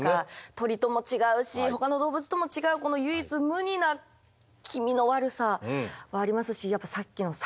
鳥とも違うしほかの動物とも違うこの唯一無二な気味の悪さはありますしやっぱさっきの逆さの状態？